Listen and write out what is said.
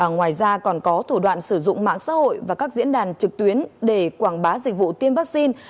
ngoài ra còn có thủ đoạn sử dụng mạng xã hội và các diễn đàn trực tuyến để quảng bá dịch vụ tiêm vaccine